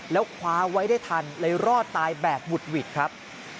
แล้วคว้าไว้ได้ทันเลยรอดตายแบบบุดหวิดครับ